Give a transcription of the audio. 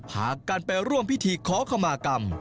พากันไปร่วมพิธีขอขมากรรม